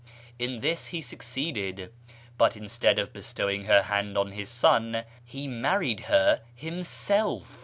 In this he succeeded, but, instead of bestowing her hand on his son, he married her himself.